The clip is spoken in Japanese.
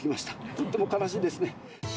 とってもかなしいんですね。